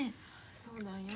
そうなんや。